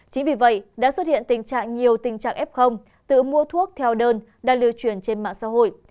chính vì vậy đã xuất hiện tình trạng nhiều tình trạng f tự mua thuốc theo đơn đang lưu truyền trên mạng xã hội